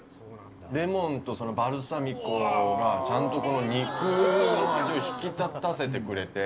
レモンとバルサミコが、ちゃんと肉の味を引き立たせてくれて。